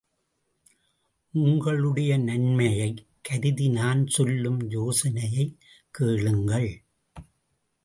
உங்களுடைய நன்மையைக் கருதி நான் சொல்லும் யோசனையைக் கேளுங்கள்.